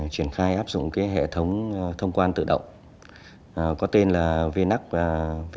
triển khai áp dụng hệ thống thông quan tự động có tên là vnac v